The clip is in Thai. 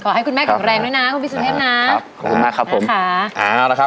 ขอให้คุณแม่ก่อนแรงด้วยนะคุณพี่สุเทพนะ